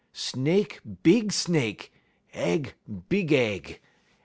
Snake big snake, aig big aig.